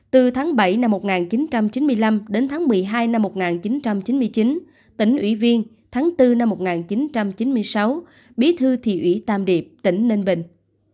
từ tháng bảy năm một nghìn chín trăm chín mươi năm đến tháng một mươi hai năm một nghìn chín trăm chín mươi chín tỉnh ủy viên tháng bốn năm một nghìn chín trăm chín mươi sáu bí thư thị ủy tam điệp tỉnh ninh bình